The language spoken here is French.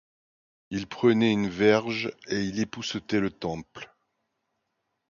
Il prenait une verge et il époussetait le temple.